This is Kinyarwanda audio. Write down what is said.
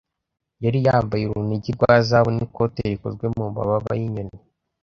Yari yambaye urunigi rwa zahabu n'ikote rikozwe mu mababa y’inyoni.